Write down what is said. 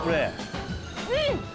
うん！